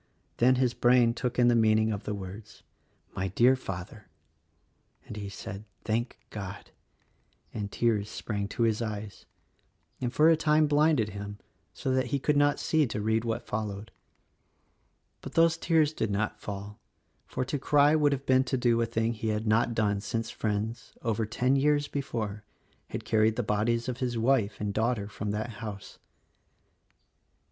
Then his brain took in the mean ing of the words "My Dear Father!" and he said, "Thank THE RECORDING ANGEL 103 God," and tears sprang to his eyes and, for a time, blinded him so that he could not see to read what followed; but those tears did not fall, for to cry would have been to do a thing he had not done since friends — over ten years before — had carried the bodies of his wife and daughter from that house.